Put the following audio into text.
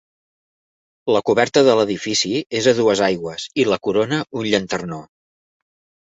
La coberta de l'edifici és a dues aigües i la corona un llanternó.